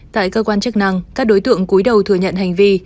tại cơ quan chức năng các đối tượng cuối đầu thừa nhận hành vi